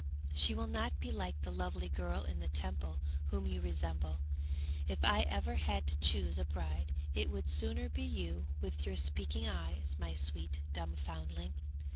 She will not be like the lovely girl in the Temple whom you resemble. If ever I had to choose a bride it would sooner be you with your speaking eyes, my sweet, dumb foundling!'